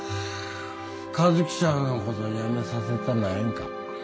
和希ちゃんのことやめさせたないんか。